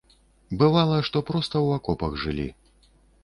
Бывала, што проста ў акопах жылі.